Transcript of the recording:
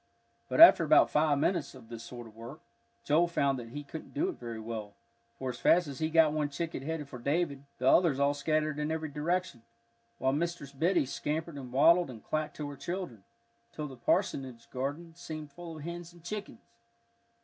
But after about five minutes of this sort of work, Joel found that he couldn't do it very well, for as fast as he got one chicken headed for David, the others all scattered in every direction, while Mistress Biddy scampered and waddled and clacked to her children, till the parsonage garden seemed full of hens and chickens.